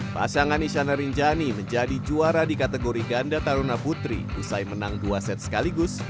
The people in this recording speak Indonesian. pasangan isyana rinjani menjadi juara di kategori ganda taruna putri usai menang dua set sekaligus dua satu dua belas dua satu empat belas